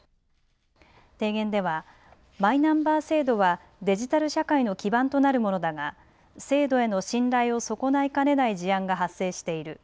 提言ではマイナンバー制度はデジタル社会の基盤となるものだが制度への信頼を損ないかねない事案が発生している。